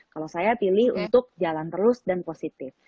kalau saya pilih untuk jalan terus dan positif